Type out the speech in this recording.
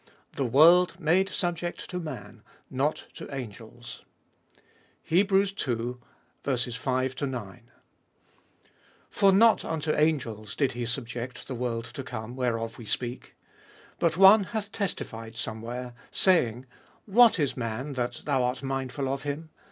XI. THE WORLD MADE SUBJECT TO MAN, NOT TO ANGELS. II.— 5. For not unto angels did he subject the world to come, whereof we speak. 6. But one hath testified somewhere, saying (Ps. viii. 5), What is man, that thou art mindful of him